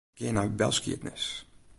Gean nei belskiednis.